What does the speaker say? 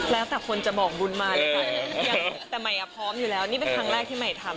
แล้วแต่คนจะบอกบุญมาหรือเปล่าแต่ใหม่อ่ะพร้อมอยู่แล้วนี่เป็นครั้งแรกที่ใหม่ทำ